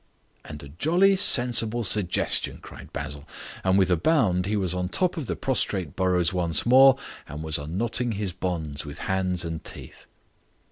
"And a jolly sensible suggestion," cried Basil, and with a bound he was on top of the prostrate Burrows once more and was unknotting his bonds with hands and teeth.